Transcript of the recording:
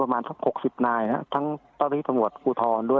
ประมาณสักหกสิบนายนะฮะทั้งตอนนี้ตำรวจภูทรด้วย